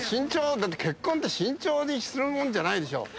結婚って慎重にするもんじゃないでしょ。